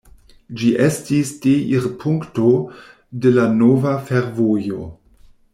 Ĝi estis deirpunkto de la nova fervojo.